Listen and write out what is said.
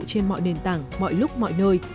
trên mọi nền tảng mọi lúc mọi nơi